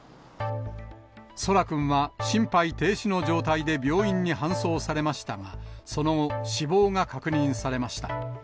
奏良くんは心肺停止の状態で病院に搬送されましたが、その後、死亡が確認されました。